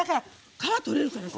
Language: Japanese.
皮が取れるからさ。